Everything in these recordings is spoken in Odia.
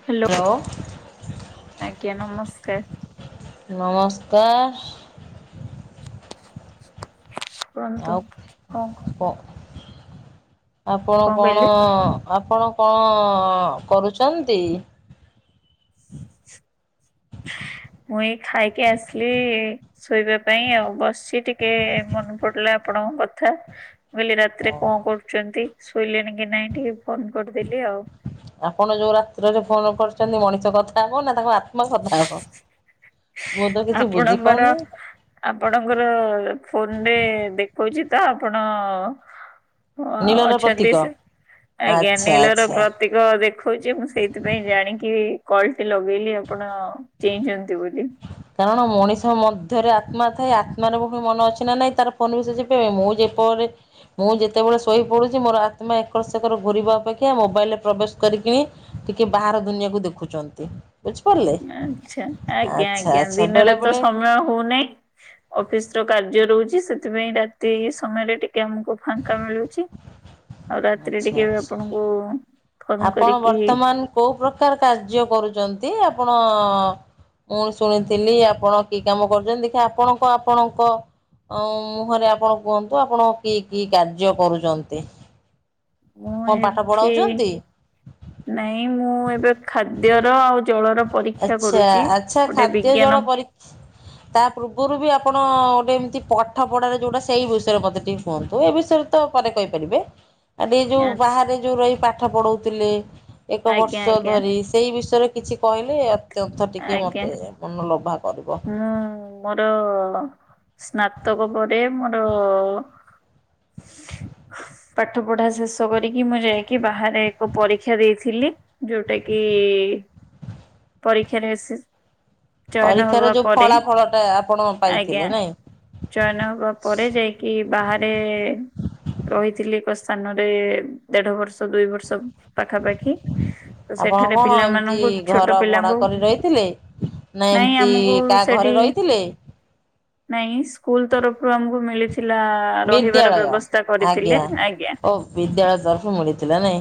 ହ୍ୟାଲୋ। ଲୋ ଆଜ୍ଞା ନମସ୍କାର। ନମସ୍କାର। ଶୁଅନ୍ତୁ ଆଉ କଣ କ ଆପଣ କଣ କହିଲେ? କଣ-ଅ-ଅ-ଅ ଆପଣ କଣ-ଅ-ଅ-ଅ କରୁଛନ୍ତି? ମୁଁ ଏଇ ଖାଇକି ଆସିଲି-ଇ-ଇ-ଇ ଶୋଇବା ପାଇଁ ଆଉ ବସିଛି ଟିକେ-ଏ-ଏ ମନେ ପଡିଲା ଆପଣଙ୍କ କଥା। ମୁଁ କହିଲି ରାତିରେ କଣ କରୁଛନ୍ତି ଶୋଇଲେଣି କି ନାଇଁ ଟିକେ ଫୋନ କରିଦେଲି ଆଉ। ଆପଣ ଯୋଉ ରାତିରେ ଯୋଉ ଫୋନ କରିଛନ୍ତି ମଣିଷ କଥା ହେବ ନା ତାଙ୍କ ଆ ତ୍ମା କଥା ହେବ ମୁଁ ତ କିଛି ଆପଣଙ୍କର ବୁଝିପାରୁନି। ଆପଣଙ୍କର ଫୋନ ରେ ଦେଖଉଛି ତ ଆପଣ-ଅ-ଅ-ଅ ହ-ଅ-ଅ ନୀଳର ଅଛନ୍ତି ପ୍ରତୀକ ସେ ଆଜ୍ଞା ଆଚ୍ଛା ନିଳର ପ ଆଚ୍ଛା। ପ୍ରତିକ ଦେଖଉଛି ମୁଁ ସେଇଥିପାଇଁ ଜାଣିକି କଲଟି ଲଗେଇଲି ଆଉ। ଆପଣ ଚେଇଁଛନ୍ତି ବୋଲି। କାରଣ ମଣିଷ ମଧ୍ୟରେ ଆତ୍ମା ଥାଏ ଆତ୍ମାର ପ-ପ ମନ ଅଛି ନା ନାଇଁ ତାର ଫୋନ ବି ସେ ମୁଁ ଯେପରି ମୁଁ ଯେତେବେଳେ ଶୋଇ ପଡ଼ୁଛି ମୋର ଆତ୍ମା ଏକର ସେକର ଘୁରିବା ଅପେକ୍ଷା ମୋବାଇଲରେ ପ୍ରବେଶ କରିକିଣି ଟିକେ ବାହାର ଦୁନିଆକୁ ଦେଖୁଛନ୍ତି ବୁଝିପାରିଲେ। ଆଛା ଆଜ୍ଞା ଆଚ୍ଛା ଆଜ୍ଞା ଆଚ୍ଛା ବେଳେ ଦିନରେ ତ ବେଳେ ସମୟ ହଉନାହିଁ। ଅଫିସ୍ ର କାର୍ଯ୍ୟ ରହୁଛି ସେଥିପାଇଁ ରାତି ସମୟରେ ଟିକେ ଆମକୁ ଫାଙ୍କା ମିଳୁଛି। ଆଉ ରାତିରେ ଆଚ୍ଛା ଟିକେ ବି ଆଚ୍ଛା ଆପଣଙ୍କୁ-ଉ-ଉ ଆପଣ ବର୍ତ୍ତମାନ କୋଉ ପ୍ରକାର କାର୍ଯ୍ୟ କରୁଛନ୍ତି ଆପଣ-ଅ-ଅ-ଅ ମୁଁ ଶୁଣିଥିଲି ଆପଣ କି କାମ କରୁଛନ୍ତି ଦେଖେ ଆପଣଙ୍କ ଆପଣଙ୍କ ଉ-ଉ-ଉ ମୁହଁରେ ଆପଣ କୁହନ୍ତୁ ଆପଣ କି କି କାର୍ଯ୍ୟ କରୁଛନ୍ତି? ମୁଁ କଣ ପାଠ ଏଠି ପଢ଼ାଉଛନ୍ତି? ନାଇଁ ମୁଁ ଏବେ ଖାଦ୍ୟର ଆଉ ଜଳର ପରୀକ୍ଷା ଆଚ୍ଛା କରୁଛି ଆଚ୍ଛା ଗୋଟେ ଖାଦ୍ୟ ଜଳ ବିଜ୍ଞାନ ପରି ତା ପୂର୍ବରୁ ବି ଆପଣ-ଅ-ଅ-ଅ ଗୋଟେ ଏମିତି ପାଠ ପଢାରେ ଯୋଉଟା ସେଇ ବିଷୟରେ ମତେ ଟିକେ କୁହନ୍ତୁ ଏ ବିଷୟରେ ତ ପରେ କହିପାରିବେ। [inaudible] ଆ ଦି ଯୋଉ ଆଚ୍ଛା ବାହାରେ ଯୋଉ ରହି ପାଠ ପଢଉଥିଲେ ଏକ ଆଜ୍ଞା ବର୍ଷ ଆଜ୍ଞା ଧରି ସେଇ ବିଷୟରେ କିଛି କହିଲେ ଅତ୍ୟନ୍ତ ଟିକେ ଆଜ୍ଞା। ମତେ ମନଲୋଭା କରିବ। ମୋର-ଅ-ଅ-ଅ ସ୍ନାତକ ପରେ ମୋର ପାଠ ପଢା ଶେଷ କରିକି ମୁଁ ଯାଇକି ବାହାରେ ଏକ ପରୀକ୍ଷା ଦେଇଥିଲି। ଯୋଉଟା କି-ଇ-ଇ-ଇ ଖେରେସିସ୍ ପରୀକ୍ଷାରେ ଯୋଉ ଫଳା ଫଳ ଟା ଆପଣ ଆଜ୍ଞା ପାଇଥିଲେ ନାଇଁ। ଚୟନ ହବା ପରେ ଯାଇକି ବାହାରେ-ଏ-ଏ-ଏ ରହିଥିଲି ଏକ ସ୍ଥାନରେ-ଏ-ଏ-ଏ ଦେଢ ବର୍ଷ ଦୁଇ ବର୍ଷ ପାଖାପାଖି। ତ ଆପଣ ସେଠାରେ କଣ ଏମିତି ପିଲାମାନଙ୍କୁ ଘର ଛୋଟ ଭଡ଼ା ପିଲାଙ୍କୁ କରି ରହିଥିଲେ? ନା ନାଇଁ ଏମିତି ଆମକୁ କାହା ଘରେ ସେଠି ରହିଥିଲେ? ନାଇଁ ସ୍କୁଲ ତରଫରୁ ଆମକୁ ମିଳିଥିଲା-ଆ-ଆ ଆ ରହିବାର ବିଦ୍ୟାଳୟ ବ୍ୟବସ୍ତା କରିଥିଲେ ଆଜ୍ଞା। ଆଜ୍ଞା। ଓ ବିଦ୍ୟାଳୟ ତରଫରୁ ମିଳିଥିଲା ନାଇଁ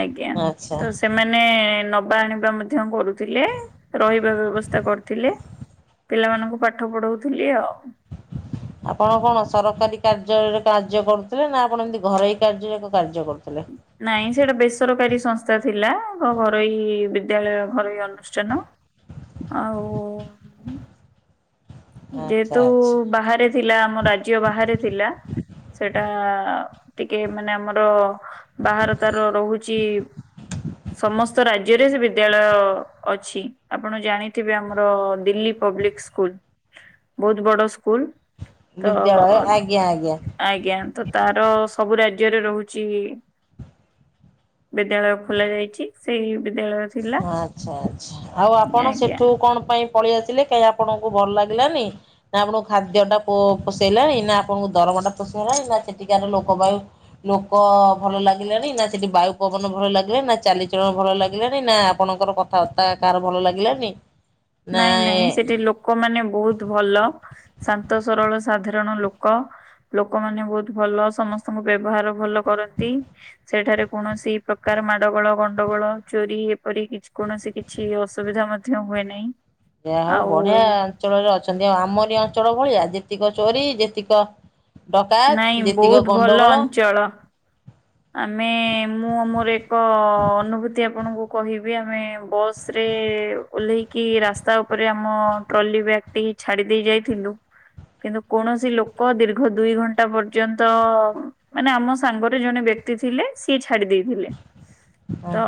ଆଜ୍ଞା ଆଚ୍ଛା। ତ ସେମାନେ-ଏ ନବା ଆଣିବା ମଧ୍ୟ କରୁଥିଲେ। ରହିବା ବ୍ୟବସ୍ଥା କରୁଥିଲେ ପିଲାମାନଙ୍କୁ ପାଠ ପଢଉଥିଲି ଆଉ। ଆପଣ କଣ ସରକାରୀ କାର୍ଯ୍ୟଳୟରେ କାର୍ଯ୍ୟ କରୁଥିଲେ ନା ଆପଣ ଏମିତି ଘରୋଇ କାର୍ଯ୍ୟରେ ଏକ କାର୍ଯ୍ୟ କରୁଥିଲେ? ନାଇଁ ସେଇଟା ବେସରକାରୀ ସଂସ୍ଥା ଥିଲା-ଆ ମ ଘରୋଇ ବିଦ୍ୟାଳୟ ଘରୋଇ ଅନୁ ଷ୍ଟାନ ଆଉ ଆଚ୍ଛା ଯେହେତୁ ଆଚ୍ଛା ବାହାରେ ଥିଲା ଆମ ରାଜ୍ୟ ବାହାରେ ଥିଲା ସେଟା ଟିକେ ମାନେ ଆମର ବାହାର ତାର ରହୁଛି ସମସ୍ତ ରାଜ୍ୟରେ ସେ ବିଦ୍ୟାଳୟ ଅଛି ଆପଣ ଜାଣିଥିବେ ଆମର ଦିଲ୍ଲୀ ପବ୍ଲିକ ସ୍କୁଲ। ବହୁତ ବଡ ସ୍କୁଲ୍ ତ ବିଦ୍ୟାଳୟ ଆଜ୍ଞା ଆଜ୍ଞା। ଆଜ୍ଞା ତ ତାର ସବୁ ରାଜ୍ୟରେ ରହୁଛି। ବିଦ୍ୟାଳୟ ଖୋଲା ଯାଇଛି ସେଇ ବିଦ୍ୟାଳୟ ଥିଲା ଆଚ୍ଛା ଆଚ୍ଛା ଆଉ ଆପଣ ଆଜ୍ଞା ସେଠୁ କଣ ପାଇଁ ପଳେଇ ଆସିଲେ କାହିଁ ଆପଣଙ୍କୁ ଭଲ ଲାଗିଲାନି। ନା ଆପଣଙ୍କୁ ଖାଦ୍ୟ ଟା ପୋ ପୋଷେଇଲାଣି ନା ଆପଣଙ୍କୁ ଦରମମା ଟା ପୋଷେଇଲାଣି ନା ସେଠିକ ଲୋକ ବାୟୁ ଲୋକ ଭଲ ଲାଗିଲାଣି ନା ସେଠି ବାୟୁ ପବନ ଭଲ ଲାଗିଲେ ନା ଚାଲିଚଳଣ ଭଲ ଲାଗିଲାନି ନା ଆପଣଙ୍କର କଥା ବାର୍ତ୍ତା କାହାର ଭଲ ଲାଗିଲାନି। ନା ନାଇଁ ଏ ନାଇଁ ସେଠି ଲୋକମାନେ ବହୁତ ଭଲ। ଶାନ୍ତ ସରଳ ସାଧାରଣ ଲୋକ। ଲୋକମାନେ ବହୁତ ଭଲ ସମସ୍ତଙ୍କ ବ୍ୟବହାର ଭଲ କରନ୍ତି। ସେଠାରେ କୌଣସି ପ୍ରକାର ମାଡଗୋଳ ଗଣ୍ଡଗୋଳ ଚୋରି ଏପରି କି କୌଣସି କିଛି କିଛି ଅସୁବିଧା ମଧ୍ୟ ହୁଏ ନାହିଁ। ଯା ହଉ ଆଉ ବଢିଆ ଅଞ୍ଚଳରେ ଅଛନ୍ତି ଆଉ ଆମର ଏ ଅଞ୍ଚଳ ଭଳିଆ ଯେତିକ ଚୋରି ଯେତିକ ଡକାୟତ୍ ଯେତିକ ଗଣ୍ଡଗୋଳ। ଚଳ ଆମେ ମୁଁ ଆ ମୋର ଏକ ଅନୁଭୂତି ଆପଣଙ୍କୁ କହିବି ଆମେ ବସରେ ଓହ୍ଲେଇକି ରାସ୍ତା ଉପରେ ଆମ ଟ୍ରଲି ବ୍ୟାଗ ଟିକି ଛାଡି ଦେଇ ଯାଇଥିଲୁ। କିନ୍ତୁ କୌଣସି ଲୋକ ଦୀର୍ଘ ଦୁଇ ଘଣ୍ଟା ପର୍ଯ୍ୟନ୍ତ ମାନେ ଆମ ସାଙ୍ଗରେ ଜଣେ ବ୍ୟକ୍ତି ଥିଲେ ସିଏ ଛାଡି ଦେଇଥିଲେ ତ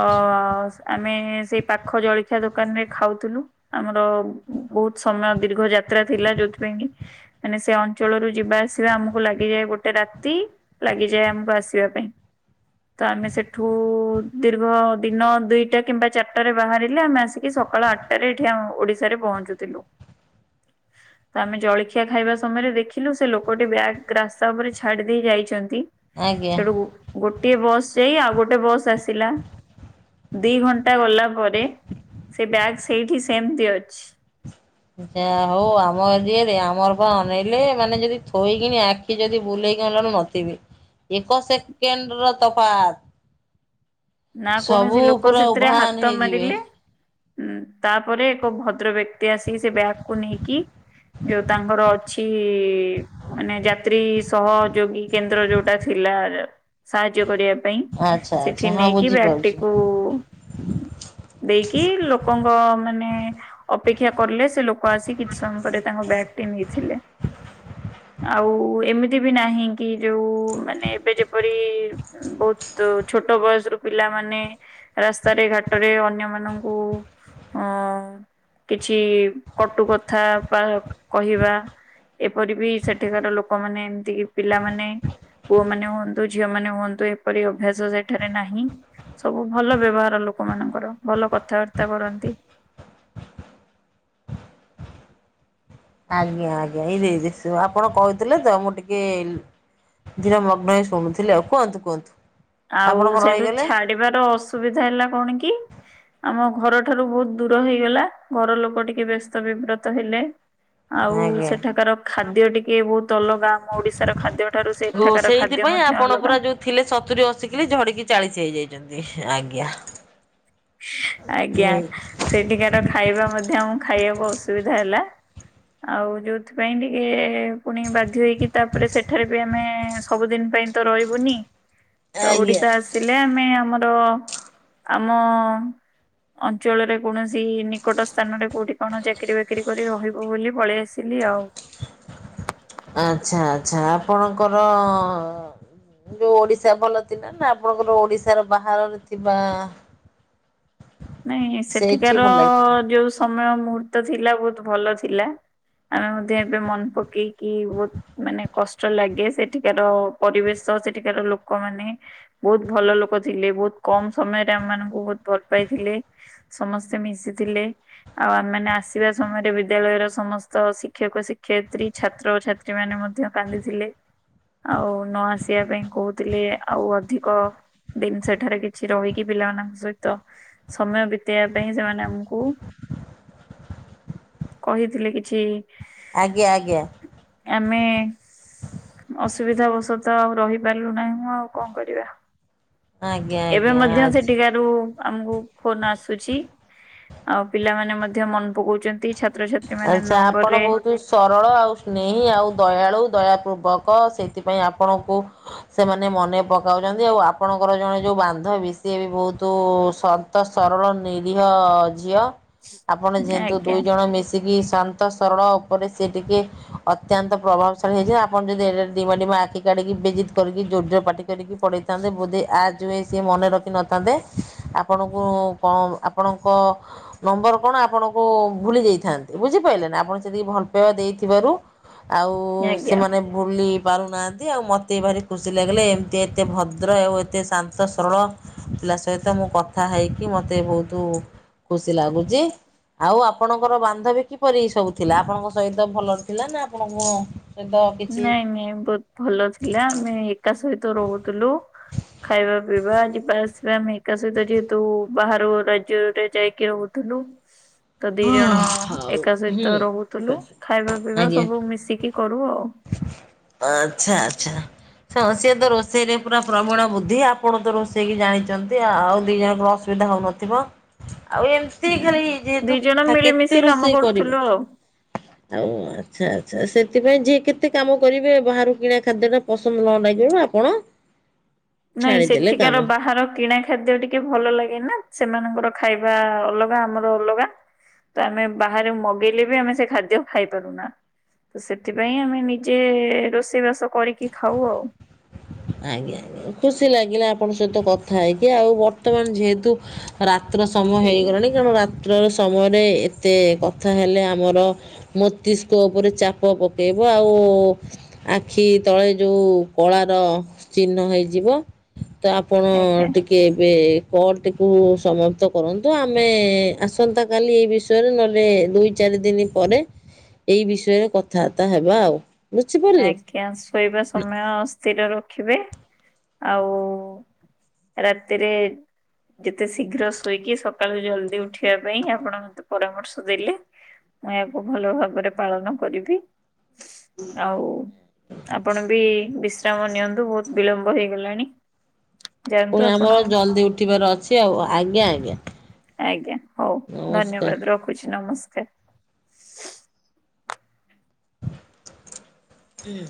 ଆମେ ସେଇ ପାଖ ଜଳଖିଆ ଦୋକାନରେ ଖାଉଥିଲୁ। ଆମର ବହୁତ ସମୟ ଦୀର୍ଘ ଯାତ୍ରା ଥିଲା ଯୋଉଥିପାଇଁ କି ମାନେ ସେ ଅଞ୍ଚଳରୁ ଯିବା ଆସିବା ଆମକୁ ଲାଗିଯାଏ ଗୋଟେ ରାତି। ଲାଗିଯାଏ ଆମୁକୁ ଆସିବା ପାଇଁ। ତ ଆମେ ସେଠୁ ଦୀର୍ଘ ଦିନ ଦୁଇଟା କିମ୍ବା ଚାରିଟାରେ ବାହାରିଲେ ଆମେ ଆସିକି ସକାଳ ଆଠ ରେ ଏଠି ଆମ ଓଡିଶାରେ ପହଞ୍ଚୁଥିଲୁ। ତ ଆମେ ଜଳିଖିଆ ଖାଇବା ସମୟରେ ଦେଖିଲୁ ସେ ଲୋକଟି ବ୍ୟାଗ ରାସ୍ତା ଉପରେ ଛାଡି ଦେଇ ଯାଇଛନ୍ତି। ଆଜ୍ଞା। ସେଠୁ ଗୋଟିଏ ବସ୍ ଯାଇ ଆଉ ଗୋଟେ ବସ୍ ଆସିଲା। ଦି ଘଣ୍ଟା ଗଲା ପରେ ସେ ବ୍ୟାଗ୍ ସେଇଠି ସେମତି ଅଛି। ଯାହା ହଉ ଆମର ଏରିଆରେ ଆମର ବା ଅନେଇଲେ ମାନେ ଯଦି ଥୋଇକିଣି ଆଖି ଯଦି ବୁଲେଇକିି ଆଣିଲାବେଳକୁ ନଥିବେ ଏକ ସେକେଣ୍ଡର ତଫାତ୍। ନା କୌଣସି ଲୋକ ପୁରା ସେଥିରେ ଉଭାନ ହାତ ହେଇଯିବେ। ମାରିଲେ। ହଁ ତାପରେ ଏକ ଭଦ୍ର ବ୍ୟକ୍ତି ଆସିିକି ସେ ବ୍ୟାଗକୁୁ ନେଇକି। ଯୋଉ ତାଙ୍କର ଅଛି ମାନେ ଯାତ୍ରୀ ସହଯୋଗୀ କେନ୍ଦ୍ର ଯୋଉଟା ଥିଲା ସାହାଯ୍ୟ କରିବା ପାଇଁ ଆଚ୍ଛା ସେଠି ଆଚ୍ଛା ହଁ ନେଇକି ବୁଝିପାରୁଛି। ଙ୍କୁ ଦେଇକି ଲୋକଙ୍କ ମାନେ ଅପେକ୍ଷା କଲେ। ସେ ଲୋକ ଆସି କିଛି ସମୟ ପରେ ତାଙ୍କ ବ୍ୟାଗ୍ ନେଇଥିଲେ ଆଉ ଏମିତି ବି ନାହିଁ କି ଯୋଉ ମାନେ ଏବେ ଯେପରି ବହୁତ ଛୋଟ ବୟସରୁ ପିଲାମାନେ ରାସ୍ତାରେ ଘାଟରେ ଅନ୍ୟମାନଙ୍କୁ ଅ କିଛି କଟୁ କଥା ପ୍ରାୟ କହିବା। ଏପରି ବି ସେଠିକାର ଲୋକମାନେ ଏମିତି କି ପିଲାମାନେ ପୁଅ ମାନେ ହୁଅନ୍ତୁ ଝିଅ ମାନେ ହୁଅନ୍ତୁ ଏପରି ଅଭ୍ୟାସ ସେଠାରେ ନାହିଁ। ସବୁ ଭଲ ବ୍ୟବହାର ଲୋକ ମାନଙ୍କର ଭଲ କଥାବାର୍ତ୍ତା କରନ୍ତି। ଆଜ୍ଞା ଆଜ୍ଞା। ଏଇ ଦେଇଦେଇସି ସ ଆପଣ କଇଥିଲେ ତ ମୁଁ ଟିକେ ଧିର ମଗ୍ନ ହେଇ ଶୁଣୁଥିଲି ଆଉ। କୁଅନ୍ତୁ କୁଅନ୍ତୁ? ଆଉ ସେଇଠୁ ଛାଡିବାର ଅସୁବିଧା ହେଲା କଣ କି ଆମ ଘରଠାରୁ ବୋହୁତ୍ ଦୂର ହେଇଗଲା। ଘର ଲୋକ ଟିକେ ବ୍ୟସ୍ତ ବିବ୍ରତ ହେଲେ। ଆଉ ଆଜ୍ଞା। ସେଠାକାର ଖାଦ୍ୟ ଟିକେ ବୋହୁତ୍ ଅଲଗା। ଆମ ଓଡିଶାର ଖାଦ୍ୟ ଠାରୁ ସେ ଓ ସେଠାକାର ଖାଦ୍ୟ ସେଇଥିପାଇଁ ମଧ୍ୟ ଆପଣ ପୁରା ଅଲଗା। ଯୋଉ ଥିଲେ ସତୁରି ଅଶି କିଲେ, ଝଡିକି ଚାଳିସି ହେଇଯାଇଛନ୍ତି। ଆଜ୍ଞା। ଆଜ୍ଞା। ସେଇଠିକାର ଖାଇବା ମଧ୍ୟ ଆମୂକୁ ଖାଇବାକୁ ଅସୁବିଧା ହେଲା। ଆଉ ଯୋଉଥିପାଇଁ ଟିକେ ଫୁଣି ବାଧ୍ୟ ହେଇକି ତାପରେ ସେଠାରେ ବି ଆମେ-' ସବୁଦିନ୍ ପାଇଁ ତ ରହିବୁନି। ତ ଆଜ୍ଞା। ଓଡିଶା ଆସିଲେ ଆମେ ଆମର ହଁ। ଅଞ୍ଚଳରେ କୌଣସି ନିକଟ ସ୍ଥାନରେ କୋଉଠି କଣ ଚାକିରି ବାକିରି ବାକିରି କରି ରହିବୁ ବୋଲି ପଳେଇଆସି ଥିଲି ଆଉ। ଆଚ୍ଛା ଆଚ୍ଛା। ଆପଣଙ୍କର ଯୋଉ ଓଡିଶା ଭଲ ଥିଲା ନା, ଆପଣଙ୍କର ଓଡିଶାର ବାହାରରେ ଥିବା ନାଇଁ ସେଇଠି ସେଠିକାର ଭଲ ଲାଗିଥିଲା ଯୋଉ ସମୟ ମୁହୂର୍ତ୍ତ ଥିଲା ବୋହୁତ୍ ଭଲ ଥିଲା। ଆମେ ମଧ୍ୟ ଏବେ ମନ୍ ପକେଇକି ବହୁତ୍ ମାନେ କଷ୍ଟ ଲାଗେ। ସେଠିକାର ପରିବେଶ ସେଠିକାର ଲୋକମାନେ ବୋହୁତ୍ ଭଲ ଲୋକ ଥିଲେ। ବୋହୁତ୍ କମ୍ ସମୟରେ ଆମ ମାନଙ୍କୁ ବୋହୁତ୍ ଭଲ ପାଇ ଥିଲେ। ସମସ୍ତେ ମିଶିଥିଲେ। ଆଉ ଆମେମାନେ ଆସିବା ସମୟରେ, ବିଦ୍ୟାଳୟର ସମସ୍ତ ଶିକ୍ଷକ, ଶିକ୍ଷୟତ୍ରୀ, ଛାତ୍ର, ଛାତ୍ରୀ ଏମାନେ ମଧ୍ୟ କାନ୍ଦିଥିଲେ। ଆଉ ନ ଆସିବା ପାଇଁ କହୁଥିଲେ ଆଉ ଅଧିକ ଦିନ୍ ସେଠାରେ କିଛି ରହିକି ପିଲାମାନଙ୍କ ସହିତ ସମୟ ବିତେଇବା ପାଇଁ ସେମାନେ ଆମକୁ କହିଥିଲେ କିଛି ଆଜ୍ଞା, ଆଜ୍ଞା। ଆମେ ଅସୁବିଧା ବଶତଃ ଆଉ ରହିପାରିଲୁ ନାହିଁ। ମୁଁ ଆଉ କଣ କରିବା। ଆଜ୍ଞା ଏବେ ଆଜ୍ଞା ମଧ୍ୟ ଆଚ୍ଛା। ସେଠିକା ରୁ ଆମକୁ ଫୋନ୍ ଆସୁଛି, ଆଉ ପିଲାମାନେ ମଧ୍ୟ ମନେପକାଉଛନ୍ତି ଛା ଆଚ୍ଛା, ଆପଣ ବହୁତ୍ ଶୁ ସରଳ ଆଉ ସ୍ନେହି, ଆଉ ଦୟାଳୁ, ଦୟାପୂର୍ବକ ସେଥିପାଇଁ ଆପଣଙ୍କୁ ସେମାନେ ମନେ ପକାଉଛନ୍ତି। ଆଉ ଆପଣଙ୍କର ଜଣେ ଯୋଉ ବାନ୍ଧବୀ, ସିଏ ବି ବହୁତ୍ ଶ ତ ସରଳ ନିରୀହ ଝିଅ। ଆପଣ ଯେହେତୁ ଆଜ୍ଞା ଦୁଇ ଜଣ ମିଶ ସିକିି ଶାନ୍ତ ସରଳ ଉପରେ ସେ ଟିକେ ଅତ୍ୟନ୍ତ ପ୍ରଭାବିସାଳୀ ହେଇ ଯିବେ, ଯେ ଆପଣ ଯଦି ଏଡେ, ଏଡେ ଡିମା ଡିମା ଆଖି କାଢିକି ଵେଜିତ୍ କରିକି, ଜୋର୍ ଜୋର୍ ପାଟି କାଢ଼ିକି ପଢେଇଥାନ୍ତେ ବୋଧେ ଆଜ ସେଥିପାଇଁ ସିଏ ମନେ ରଖି ନଥାନ୍ତେ। ଆପଣଙ୍କୁ କଣ ଆପଣଙ୍କ ନମ୍ବର କଣ ଆପଣଙ୍କୁ ଭୁଲି ଯାଇଥାନ୍ତେ। ବୁଝିପାରିଲେ ନା। ଆପଣ ସେତିକି ଭଲ ପାଇବା ଦେଇଥିବାରୁ, ଆଉ ଆଜ୍ଞା। ସେମାନେ ଭୁଲି ପାରୁନାହାନ୍ତି। ଆଉ ମୋତେ ଭାରି ଖୁସି ଲାଗିଲା, ଏମିତି ଏତେ ଭଦ୍ର ଆଉ ଏତେ ଶାନ୍ତ ସରଳ ପିଲା ସହିତ ମୁଁ କଥା ହେଇକି ମୋତେ ବୋହୁତୁ ଖୁସି ଲାଗୁଛି। ଆଉ ଆପଣଙ୍କର ବାନ୍ଧବୀ କିପରି ସବୁ ଥିଲା? ଆପଣଙ୍କ ସହିତ ଭଲରେ ଥିଲା ନା ଆପଣଙ୍କ ସହିତ କିଛି ନାଇଁ ମ୍ୟାମ୍ ବହୁତ୍ ଭଲ ଥିଲା। ଆମେ ଏକା ସହିତ ରହୁଥିଲୁ। ଖାଇବା ପିଇବା, ଜିବା ଆସିବା, ଆମେ ଏକା ସହିତ ଯେହେତୁ ବାହାର ରାଜ୍ୟରେ ଯାଇକି ରହୁଥିଲୁ। [inaudible] ତ ଦି, ଜଣ ହଉ ଏକା ହୁଁ। ସହିତ ରହୁଥିଲୁ। ଖାଇବା ପିଇବା ଆଜ୍ଞା। ସବୁ ମିଶିକି କରୁ ଆଉ। ଆଚ୍ଛା, ଆଛା। ହଁ ସିଏ ତ ରୋଷେଇରେ ପୁରା ପ୍ରଵଣ ବୁଦ୍ଧି, ଆପଣ ତ ରୋଷେଇକ ଜାଣିଛନ୍ତି, ଆଉ ଦି ଜଣଙ୍କର ଅସୁବିଧା ହଉନ ଥିବ ଆଉ ଏମ ହୁଁ, ଦି ଜଣ ମିଳିମିଶି କାମ ରୋଷେଇ କରିବ। କରୁଥିଲୁ ଆଉ। ଆଉ ଆଚ୍ଛା, ଆଚ୍ଛା ସେଥିପାଇଁ ଯିଏ କେତେ କାମ କରିବେ ବାହାରୁ କିଣା ଖାଦ୍ୟ ଟା ପସନ୍ଦ ନ ଲାଗିଵାରୁ ଆପଣ ନାଇଁ, ଛାଡିଦେଲେ ସେଠିକାର କାମ। ବାହାର କିଣା ଖାଦ୍ୟ ଟି ଟିକେ ଭଲ ଲାଗେ ନା ସେମାନଙ୍କର ଖାଇବା ଅଲଗା ଆମର ଅଲଗା। ତ ଆମେ ବାହାରେ ମଗେଇଲେ ବି ଆମେ ସେ ଖାଦ୍ୟ ଖାଇପାରୁନା। ତ ସେଥିପାଇଁ ଆମେ ନିଜେ ରୋଷେଇବାସ କରିକି ଖାଉ ଆଉ। ଆଜ୍ଞା ଆଜ୍ଞା। ଖୁସି ଲାଗିଲା ଆପଣଙ୍କ ସହିତ କଥା ହେଇକି, ଆଉ ବର୍ତ୍ତମାନ ଯେହେତୁ ରା ରାତ୍ର ସମୟ ହେଇଗଲାଣି ତେଣୁ ରାତ୍ରର ସମୟରେ ଏତେ କଥା ହେଲେ ଆମର ମସ୍ତିଷ୍କ ଉପରେ ଚାପ ପକେଇବ ଆଉ ଆଖି ତଳେ ଯୋଉ କଳା ଚ ଚିହ୍ନ ହେଇଯିବ ତ ଆପଣ ଆଜ୍ଞା ଟି କେ ଏବେ କଲଟିକୁ ସମାପ୍ତ କରନ୍ତୁ ଆମେ ଆସନ୍ତା କାଲି ଏଇ ବିଷୟ ନହେଲେ ଦୁଇ ଚାରି ଦିନି ପରେ ଏଇ ବିଷୟରେ କଥାବାର୍ତ୍ତା ହେବା ଆଉ। ବୁଝି ପାରିଲେ? ଥ୍ୟାଙ୍କସ୍ ଶୋଇବା ସମୟ ସ୍ଥିର ରଖିବେ ଆଉ ରାତିରେ ଯେତେ ଶୀଘ୍ର ଶୋଇକି ସକାଳୁ ଜଲଦି ଉଠିବା ପାଇଁ ଆପଣ ମତେ ପରାମର୍ଶ ଦେଲେ। ମୁଁ ଏହାକୁ ଭଲ ଭାବରେ ପାଳନ କରିବି। ଆଉ, ଆପଣ ବି ବିଶ୍ରାମ ନିଅନ୍ତୁ ବହୁତ ବିଳମ୍ବ ହେଇଗଲାଣି। ଯାଆନ୍ତୁ ପୁଣି ଆପଣ ଆମର ଜଲ୍ଦି ଉଠିବାର ଅଛି ଆଉ ଆଜ୍ଞା, ଆଜ୍ଞା। ଆଜ୍ଞା, ହଉ ଧନ୍ୟବାଦ, ନମସ୍କାର। ରଖୁଛି ନମସ୍କାର। ହୁଁ।